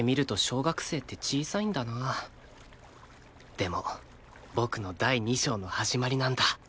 でも僕の第２章の始まりなんだ